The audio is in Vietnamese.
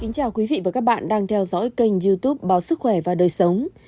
chào mừng quý vị đến với kênh youtube báo sức khỏe và đời sống